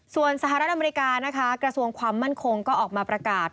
ส่วนสหรัฐอเมริกานะคะกระทรวงความมั่นคงก็ออกมาประกาศ